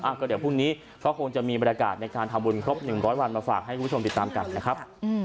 ก็เดี๋ยวพรุ่งนี้ก็คงจะมีบรรยากาศในการทำบุญครบ๑๐๐วันมาฝากให้คุณผู้ชมติดตามกันนะครับ